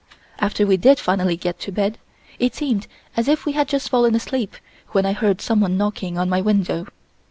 After we did finally get to bed, it seemed as if we had just fallen asleep when I heard someone knocking on my window.